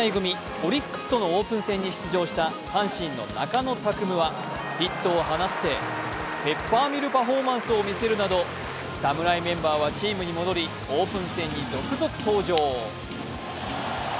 オリックスとのオープン戦に出場した阪神の中野拓夢はヒットを放ってペッパーミルパフォーマンスを見せるなど侍メンバーはチームに戻りオープン戦に続々登場。